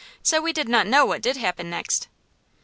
so we did not know what did happen next.